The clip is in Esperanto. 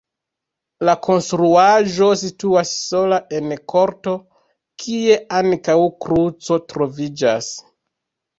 La konstruaĵo situas sola en korto, kie ankaŭ kruco troviĝas.